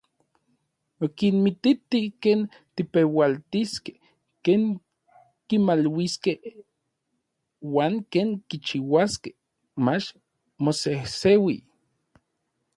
Okinmititi ken kipeualtiskej, ken kimaluiskej uan ken kichiuaskej mach maseseui.